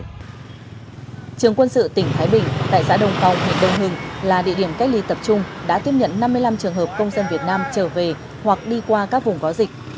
trường quân sự tỉnh thái bình tại xã đồng phong huyện đông hưng là địa điểm cách ly tập trung đã tiếp nhận năm mươi năm trường hợp công dân việt nam trở về hoặc đi qua các vùng có dịch